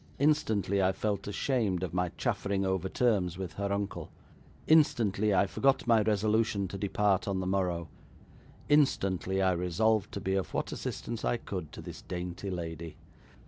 Instantly I felt ashamed of my chaffering over terms with her uncle; instantly I forgot my resolution to depart on the morrow; instantly I resolved to be of what assistance I could to this dainty lady.